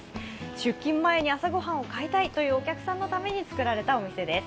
出勤前に朝ご飯を買いたいというお客さんのために作られたお店です。